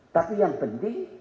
tapi yang penting